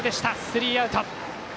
スリーアウト。